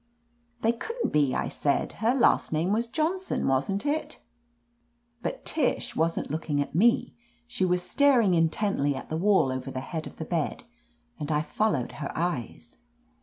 "They couldn't be," I said. "Her last name was Johnson, wasn't it?'* 45 THE AMAZING ADVENTURES But Tish wasn't looking at me. She was staring intently at the wall over the head of the bed, and I followed her eyes.